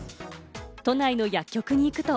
都内の薬局に行くと。